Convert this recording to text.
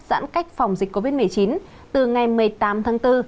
giãn cách phòng dịch covid một mươi chín từ ngày một mươi tám tháng bốn